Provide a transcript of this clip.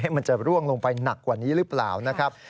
มันจะร่วงลงไปหนักกว่านี้หรือเปล่านะครับ